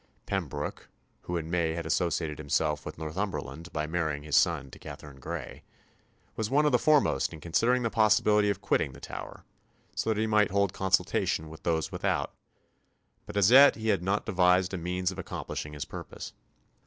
Pembroke, who in May had associated himself with Northumberland by marrying his son to Katherine Grey, was one of the foremost in considering the possibility of quitting the Tower, so that he might hold consultation with those without; but as yet he had not devised a means of accomplishing his purpose.